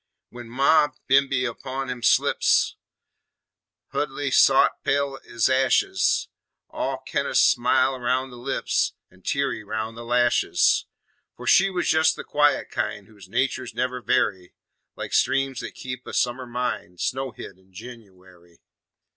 When Ma bimeby upon 'em slips, Huldy sot pale ez ashes, All kin' o' smily roun' the lips An' teary roun' the lashes. For she was jes' the quiet kind Whose naturs never vary, Like streams that keep a summer mind Snowhid in Jenooary.